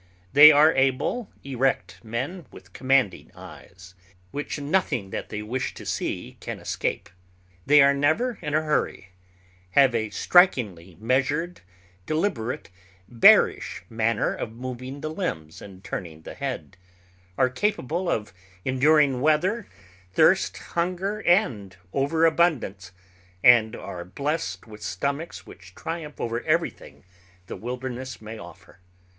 They are able, erect men, with commanding eyes, which nothing that they wish to see can escape. They are never in a hurry, have a strikingly measured, deliberate, bearish manner of moving the limbs and turning the head, are capable of enduring weather, thirst, hunger, and over abundance, and are blessed with stomachs which triumph over everything the wilderness may offer.